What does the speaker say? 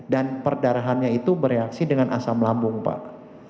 dan perdarahannya itu bereaksi dengan asam lambung pak